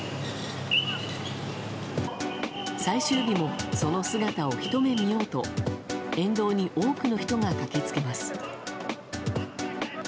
最終日も、その姿をひと目見ようと沿道に多くの人が駆け付けます。